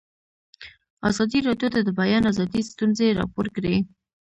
ازادي راډیو د د بیان آزادي ستونزې راپور کړي.